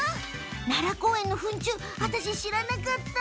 奈良公園の糞虫、私知らなかった。